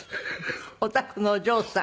おたくのお嬢さん？